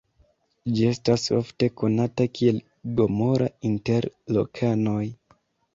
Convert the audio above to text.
Ĝi estas ofte konata kiel "Gomora" inter lokanoj.